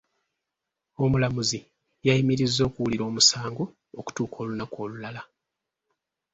Omulamuzi yayimirizza okuwulira omusango okutuuka olunaku olulala.